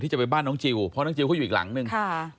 จะไปบ้านน้องจิลเพราะน้องจิลเขาอยู่อีกหลังนึง